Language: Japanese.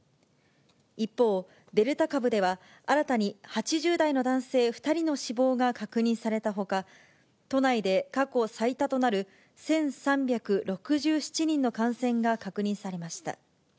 一方、デルタ株では新たに８０代の男性２人の死亡が確認されたほか、都内で過去最多となる１３６７人の感染が確認されました。